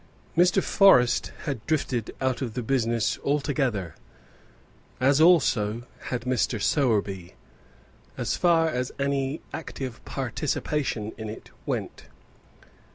Mr. Forrest had drifted out of the business altogether, as also had Mr. Sowerby, as far as any active participation in it went.